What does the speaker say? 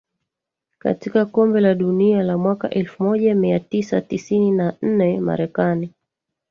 Katika Kombe la Dunia la mwaka elfu moja mia tisa tisini na nne Marekani